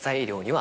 は